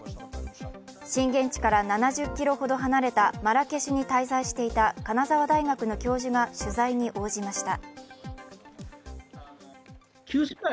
震源地から７０ｋｍほど離れたマラケシュに滞在していた金沢大学の教授が取材に応じました。